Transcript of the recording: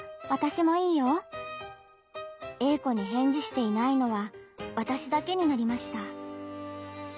Ａ子に返事していないのはわたしだけになりました。